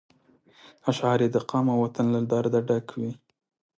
اشعار یې د قام او وطن له درده ډک وي.